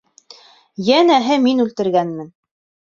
Йәнәһе, мин үлтергәнмен!